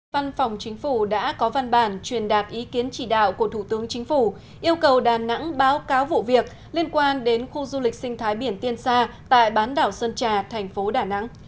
văn phòng chính phủ đã có văn bản truyền đạt ý kiến chỉ đạo của thủ tướng chính phủ yêu cầu đà nẵng báo cáo vụ việc liên quan đến khu du lịch sinh thái biển tiên sa tại bán đảo sơn trà thành phố đà nẵng